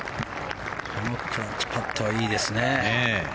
このクラッチパットはいいですね。